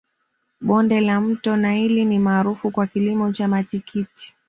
bonde la mto naili ni maarufu kwa kilimo cha matikiti